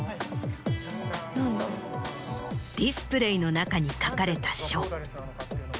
ディスプレイの中に書かれた書。